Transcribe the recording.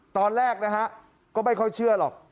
ตอนแรกนะฮะก็ไม่ค่อยเชื่อหรอก